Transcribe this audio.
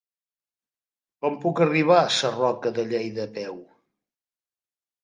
Com puc arribar a Sarroca de Lleida a peu?